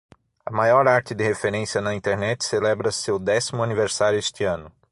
A maior arte de referência na Internet celebra seu décimo aniversário este ano.